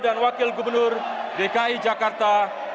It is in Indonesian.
dan wakil gubernur dki jakarta